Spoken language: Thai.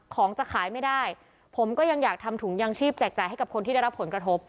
ของจะขายไม่ได้ผมก็ยังอยากทำถุงยางชีพแจกจ่ายให้กับคนที่ได้รับผลกระทบ